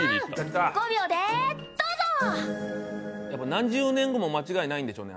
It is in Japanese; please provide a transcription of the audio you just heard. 何十年後も間違いないんでしょうね。